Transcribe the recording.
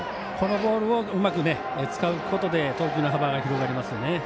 このボールをうまく使うことで投球の幅が広がりますね。